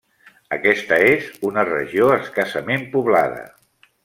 Aquesta és una regió escassament poblada.